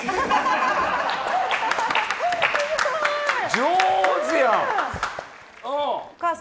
上手やん。